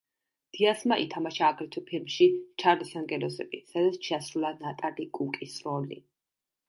დიასმა ითამაშა აგრეთვე ფილმში „ჩარლის ანგელოზები“, სადაც შეასრულა ნატალი კუკის როლი.